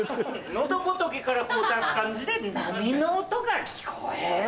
喉仏から出す感じで「波の音が聞こえる」。